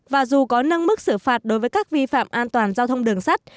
và dù có nâng mức xử phạt đối với các vi phạm an toàn giao thông đường sắt